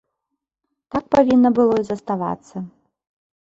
Так павінна было і заставацца.